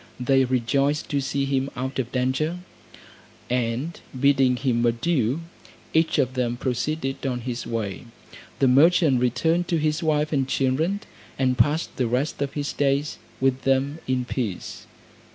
They rejoiced to see him out of danger; and bidding him adieu, each of them proceeded on his way. The merchant returned to his wife and children, and passed the rest of his days with them in peace.